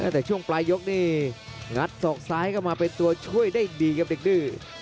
แต่ช่วงปลายยกนี่งัดศอกซ้ายเข้ามาเป็นตัวช่วยได้ดีครับเด็กดื้อ